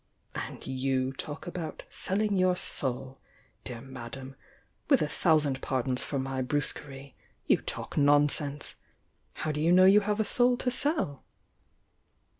And you taSc about 'selling your soul!' dear Madame, with a thousand pardons for my brusquerie, you talk nonsense! How do you know you have a soul to sell?"